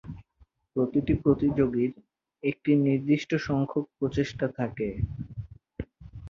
প্রতিটি প্রতিযোগীর একটি নির্দিষ্ট সংখ্যক প্রচেষ্টা থাকে।